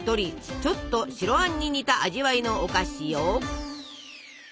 ちょっと白あんに似た味わいのお菓子よ。